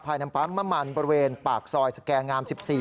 ภายน้ำปั๊มมั่นบริเวณปากซอยสแกงาม๑๔